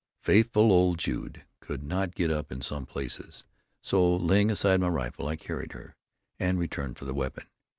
Faithful old Jude could not get up in some places, so laying aside my rifle, I carried her, and returned for the weapon.